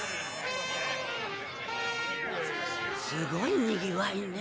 すごいにぎわいね。